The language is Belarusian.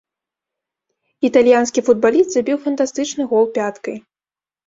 Італьянскі футбаліст забіў фантастычны гол пяткай.